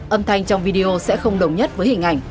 âm thanh trong video sẽ không đồng nhất với hình ảnh